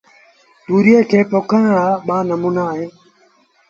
تُوريئي کي پوکڻ رآ ٻآݩموݩآ اهيݩ